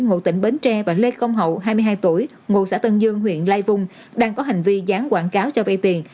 ngụ tỉnh bến tre và lê công hậu hai mươi hai tuổi ngụ xã tân dương huyện lai vung đang có hành vi gián quảng cáo cho vay tiền